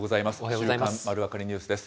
週刊まるわかりニュースです。